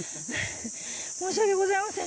申し訳ございません